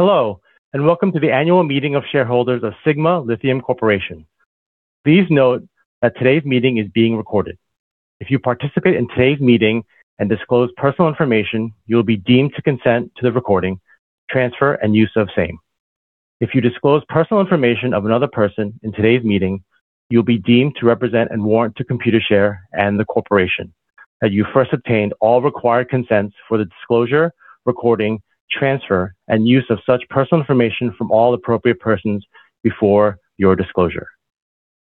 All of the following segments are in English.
Hello, welcome to the annual meeting of shareholders of Sigma Lithium Corporation. Please note that today's meeting is being recorded. If you participate in today's meeting and disclose personal information, you'll be deemed to consent to the recording, transfer, and use of same. If you disclose personal information of another person in today's meeting, you'll be deemed to represent and warrant to Computershare and the corporation that you first obtained all required consents for the disclosure, recording, transfer, and use of such personal information from all appropriate persons before your disclosure.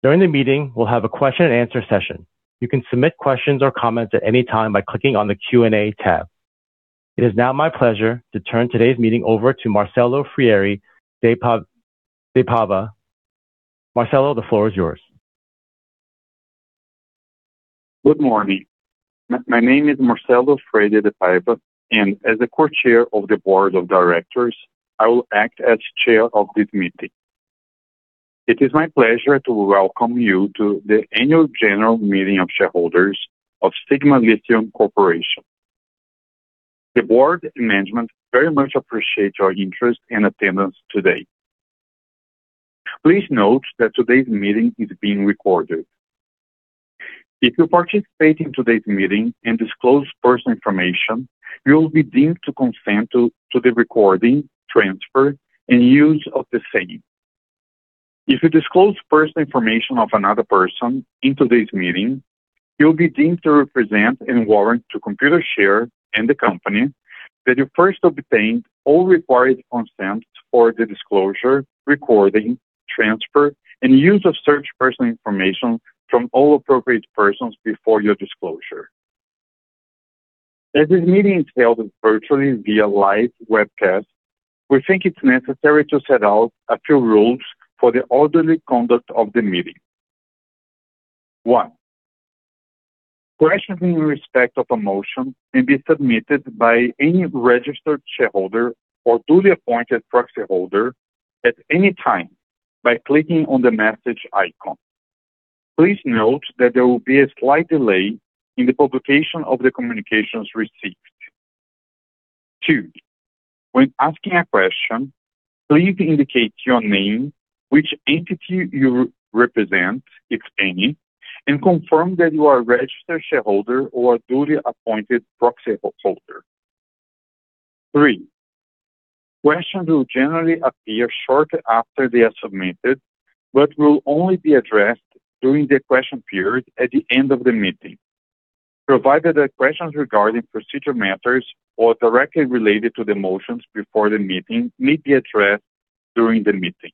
During the meeting, we'll have a question and answer session. You can submit questions or comments at any time by clicking on the Q&A tab. It is now my pleasure to turn today's meeting over to Marcelo Freire de Paiva. Marcelo, the floor is yours. Good morning. My name is Marcelo Freire de Paiva. As the Co-Chair of the board of directors, I will act as chair of this meeting. It is my pleasure to welcome you to the annual general meeting of shareholders of Sigma Lithium Corporation. The board and management very much appreciate your interest and attendance today. Please note that today's meeting is being recorded. If you participate in today's meeting and disclose personal information, you will be deemed to consent to the recording, transfer, and use of the same. If you disclose personal information of another person in today's meeting, you'll be deemed to represent and warrant to Computershare and the company that you first obtained all required consents for the disclosure, recording, transfer, and use of such personal information from all appropriate persons before your disclosure. As this meeting is held virtually via live webcast, we think it's necessary to set out a few rules for the orderly conduct of the meeting. One. Questions in respect of a motion may be submitted by any registered shareholder or duly appointed proxyholder at any time by clicking on the message icon. Please note that there will be a slight delay in the publication of the communications received. Two. When asking a question, please indicate your name, which entity you represent, if any, and confirm that you are a registered shareholder or a duly appointed proxyholder. Three. Questions will generally appear shortly after they are submitted but will only be addressed during the question period at the end of the meeting, provided that questions regarding procedure matters or directly related to the motions before the meeting may be addressed during the meeting.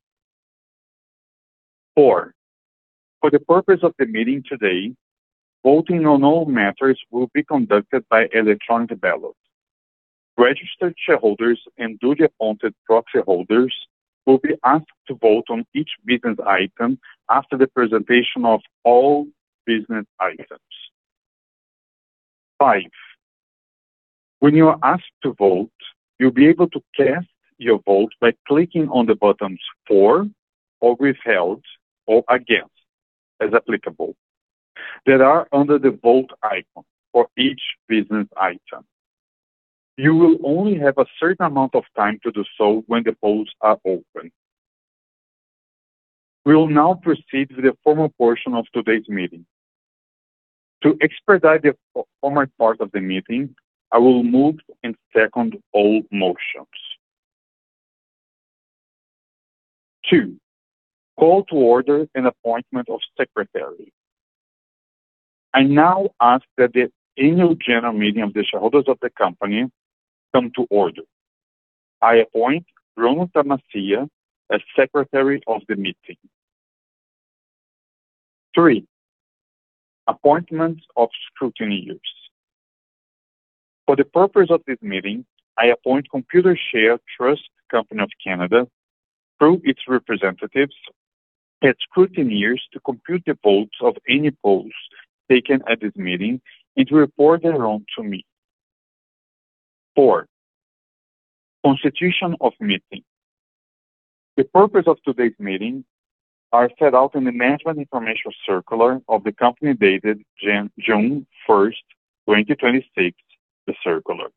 Four. For the purpose of the meeting today, voting on all matters will be conducted by electronic ballot. Registered shareholders and duly appointed proxyholders will be asked to vote on each business item after the presentation of all business items. Five. When you are asked to vote, you'll be able to cast your vote by clicking on the buttons For or Withheld or Against, as applicable, that are under the Vote icon for each business item. You will only have a certain amount of time to do so when the polls are open. We will now proceed with the formal portion of today's meeting. To expedite the formal part of the meeting, I will move and second all motions. Two. Call to order an appointment of Secretary. I now ask that the annual general meeting of the shareholders of the company come to order. I appoint Ronald Tomasia as Secretary of the meeting. Three, appointment of scrutineers. For the purpose of this meeting, I appoint Computershare Trust Company of Canada through its representatives as scrutineers to compute the votes of any polls taken at this meeting and to report thereon to me. Four, constitution of meeting. The purpose of today's meeting are set out in the Management Information Circular of the company dated June 1st, 2026, the circular.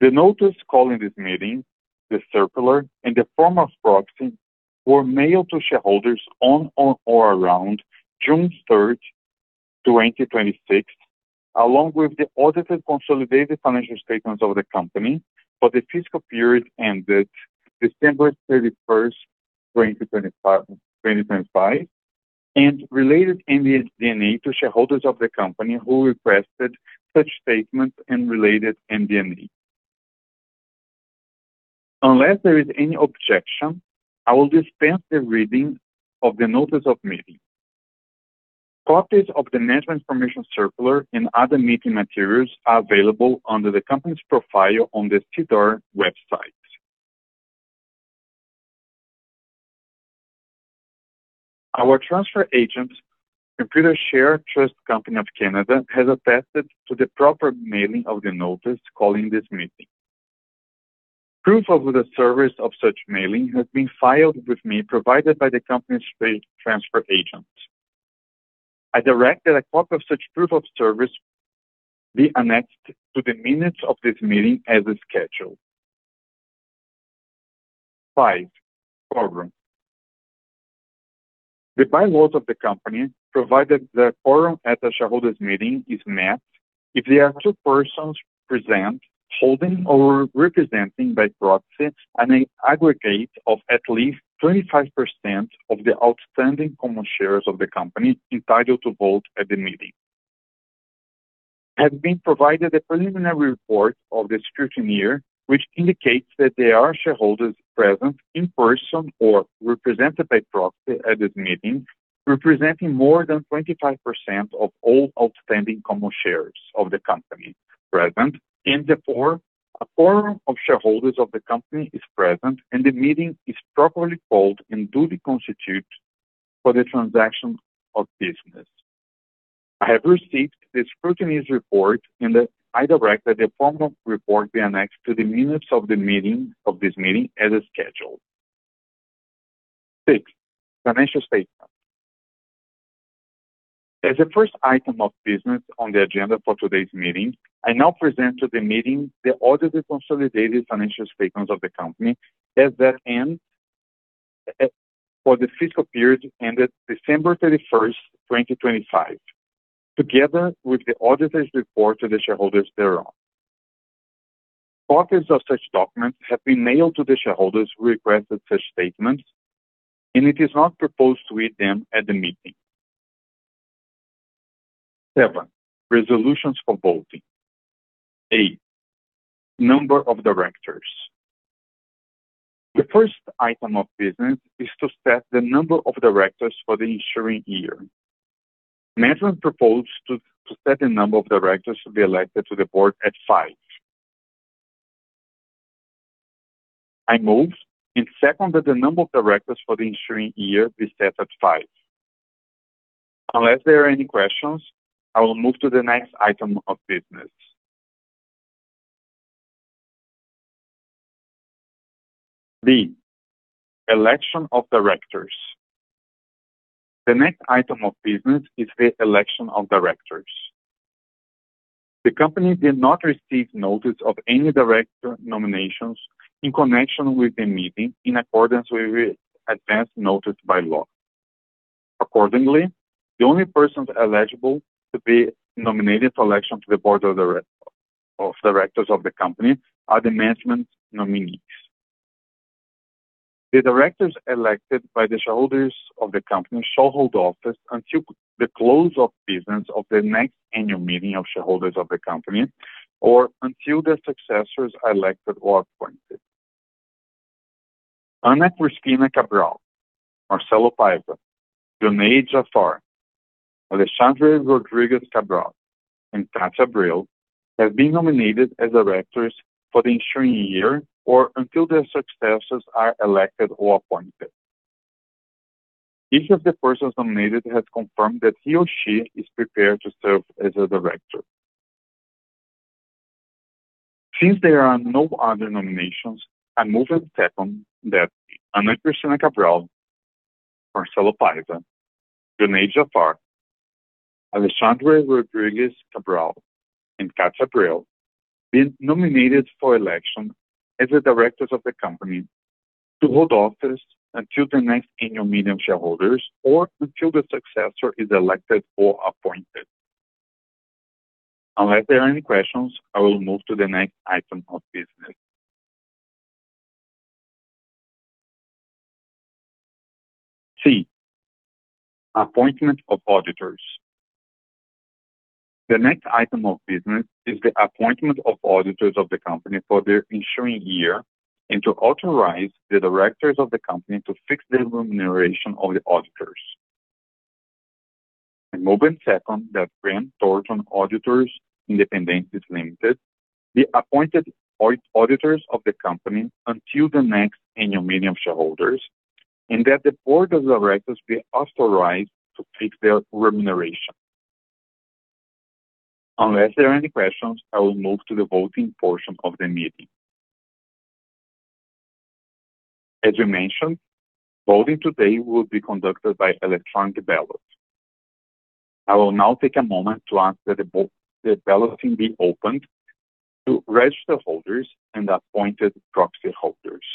The notice calling this meeting, the circular, and the form of proxy were mailed to shareholders on or around June 3rd, 2026, along with the audited consolidated financial statements of the company for the fiscal period ended December 31st, 2025, and related MD&A to shareholders of the company who requested such statements and related MD&A. Unless there is any objection, I will dispense the reading of the notice of meeting. Copies of the Management Information Circular and other meeting materials are available under the company's profile on the SEDAR website. Our transfer agent, Computershare Trust Company of Canada, has attested to the proper mailing of the notice calling this meeting. Proof of the service of such mailing has been filed with me, provided by the company's transfer agent. I direct that a copy of such proof of service be annexed to the minutes of this meeting as a schedule. Five, quorum. The bylaws of the company provide that the quorum at a shareholders meeting is met if there are two persons present holding or representing by proxy an aggregate of at least 25% of the outstanding common shares of the company entitled to vote at the meeting. I have been provided a preliminary report of the scrutineer, which indicates that there are shareholders present in person or represented by proxy at this meeting, representing more than 25% of all outstanding common shares of the company present and therefore a quorum of shareholders of the company is present and the meeting is properly called and duly constituted for the transaction of business. I have received the scrutineer's report and I direct that the formal report be annexed to the minutes of this meeting as a schedule. Six, financial statements. As a first item of business on the agenda for today's meeting, I now present to the meeting the audited consolidated financial statements of the company for the fiscal period ended December 31st, 2025, together with the auditor's report to the shareholders thereon. Copies of such documents have been mailed to the shareholders who requested such statements, and it is not proposed to read them at the meeting. Seven, resolutions for voting. A, number of directors. The first item of business is to set the number of directors for the ensuing year. Management proposed to set the number of directors to be elected to the board at five. I move and second that the number of directors for the ensuing year be set at five. Unless there are any questions, I will move to the next item of business. B, election of directors. The next item of business is the election of directors. The company did not receive notice of any director nominations in connection with the meeting in accordance with advance notice by law. Accordingly, the only persons eligible to be nominated for election to the board of directors of the company are the management nominees. The directors elected by the shareholders of the company shall hold office until the close of business of the next annual meeting of shareholders of the company or until their successors are elected or appointed. Ana Cristina Cabral, Marcelo Paiva, Junaid Jafar, Alexandre Rodrigues Cabral, and Katia Abreu have been nominated as directors for the ensuing year or until their successors are elected or appointed. Each of the persons nominated has confirmed that he or she is prepared to serve as a director. There are no other nominations, I move and second that Ana Cristina Cabral, Marcelo Paiva, Junaid Jafar, Alexandre Rodrigues Cabral, and Katia Abreu be nominated for election as the directors of the company to hold office until the next annual meeting of shareholders or until their successor is elected or appointed. Unless there are any questions, I will move to the next item of business. C, appointment of auditors. The next item of business is the appointment of auditors of the company for the ensuing year and to authorize the directors of the company to fix the remuneration of the auditors. I move and second that Grant Thornton LLP be appointed auditors of the company until the next annual meeting of shareholders and that the board of directors be authorized to fix their remuneration. Unless there are any questions, I will move to the voting portion of the meeting. As we mentioned, voting today will be conducted by electronic ballot. I will now take a moment to ask that the balloting be opened to registered holders and appointed proxy holders.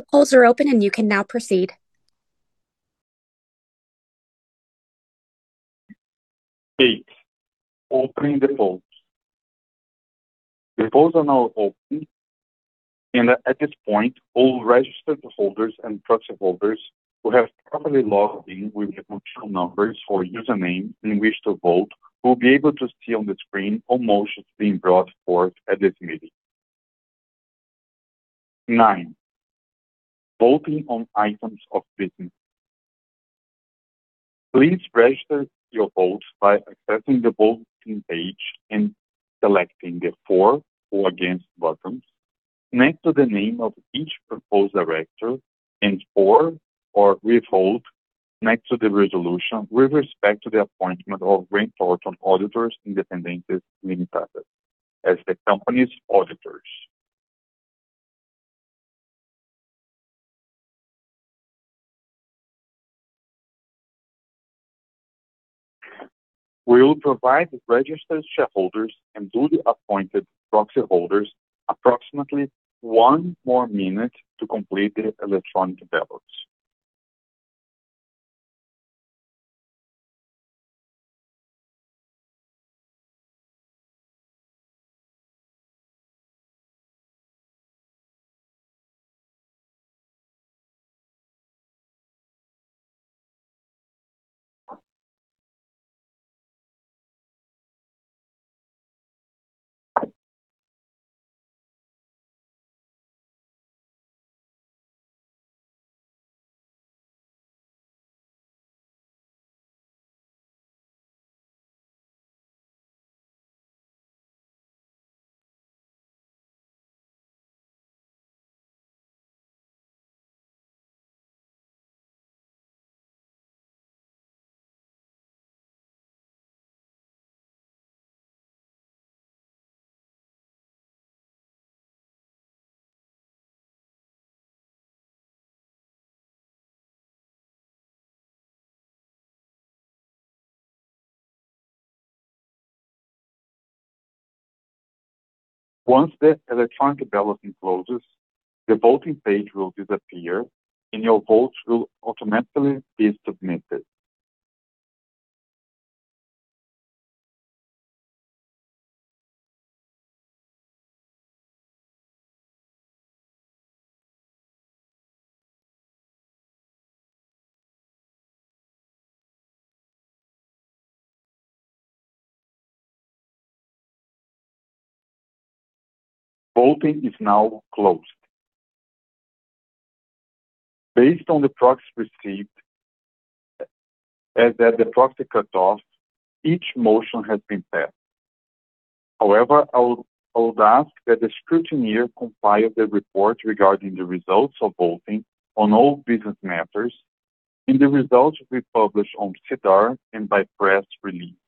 The polls are open and you can now proceed. Eight, opening the polls. The polls are now open and at this point, all registered holders and proxy holders who have properly logged in with the control numbers or username in which to vote will be able to see on the screen all motions being brought forth at this meeting. Nine, voting on items of business. Please register your votes by accessing the voting page and selecting the For or Against buttons next to the name of each proposed director and For or Withhold next to the resolution with respect to the appointment of Grant Thornton LLP as the company's auditors. We will provide registered shareholders and duly appointed proxy holders approximately one more minute to complete the electronic ballots. Once the electronic balloting closes, the voting page will disappear and your votes will automatically be submitted. Voting is now closed. Based on the proxies received as at the proxy cutoff, each motion has been passed. I would ask that the scrutineer compile the report regarding the results of voting on all business matters, and the results will be published on SEDAR and by press release.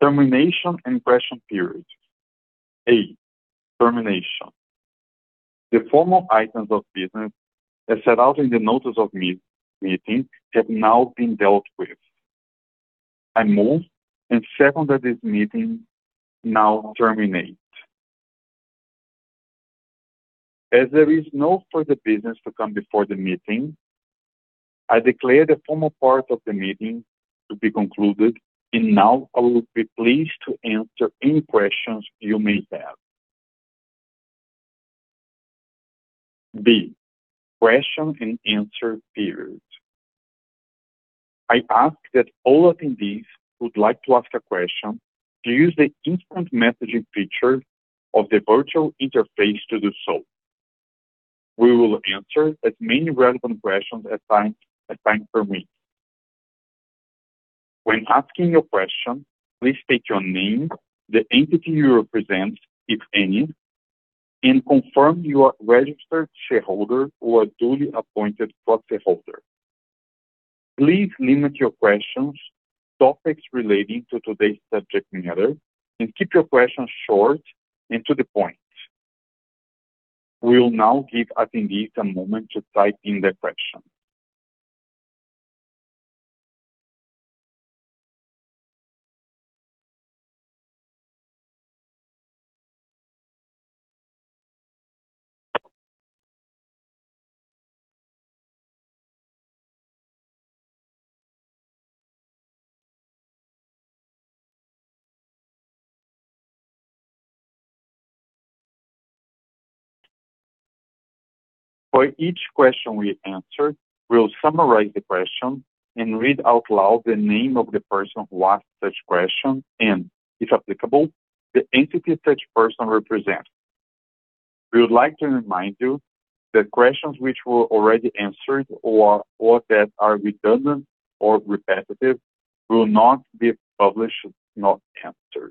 Termination and question period. A, termination. The formal items of business as set out in the notice of meeting have now been dealt with. I move and second that this meeting now terminate. There is no further business to come before the meeting, I declare the formal part of the meeting to be concluded and now I will be pleased to answer any questions you may have. B, question and answer period. I ask that all attendees who would like to ask a question to use the instant messaging feature of the virtual interface to do so. We will answer as many relevant questions as time permits. When asking your question, please state your name, the entity you represent, if any, and confirm you are a registered shareholder or a duly appointed proxyholder. Please limit your questions to topics relating to today's subject matter and keep your questions short and to the point. We will now give attendees a moment to type in their question. For each question we answer, we will summarize the question and read out loud the name of the person who asked such question and, if applicable, the entity such person represents. We would like to remind you that questions which were already answered or that are redundant or repetitive will not be published nor answered.